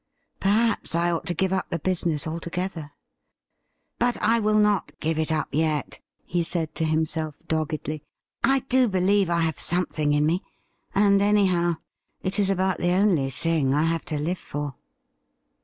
Perhaps I ought to give up the business altogether. But I will not give it up yet,' he said to himself doggedly. ' I do believe I have something in me — and, anyhow, it is about the only thing I have to live for.'